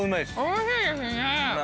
おいしいですね！